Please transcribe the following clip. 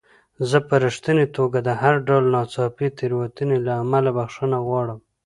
زه په رښتینې توګه د هر ډول ناڅاپي تېروتنې له امله بخښنه غواړم.